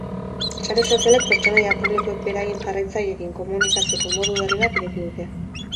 Sare sozialek pertsonaia publikoek beraien jarraitzaileekin komunikatzeko modu berri bat ireki dute.